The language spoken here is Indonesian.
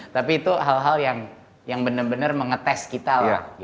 tapi itu hal hal yang benar benar mengetes kita lah